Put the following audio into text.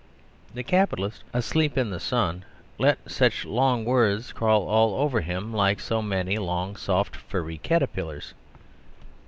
The capitalist, asleep in the sun, let such long words crawl all over him, like so many long, soft, furry caterpillars.